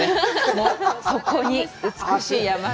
もうそこに美しい山が。